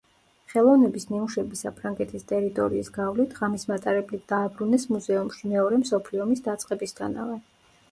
ხელოვნების ნიმუშები საფრანგეთის ტერიტორიის გავლით ღამის მატარებლით დააბრუნეს მუზეუმში მეორე მსოფლიო ომის დაწყებისთანავე.